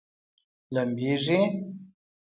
لمبیږي؟